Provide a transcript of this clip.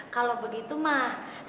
kalau begitu mas